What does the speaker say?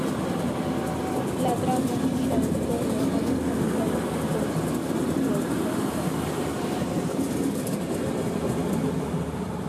La trama gira en torno a una familia de Wisconsin, los Cunningham.